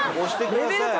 レベル高！